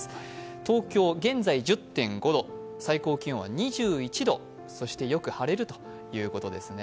東京、現在１０．５度最高気温は２１度、よく晴れるということです。